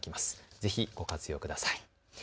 ぜひご活用ください。